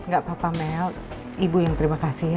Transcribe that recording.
gak apa apa mel ibu yang terima kasih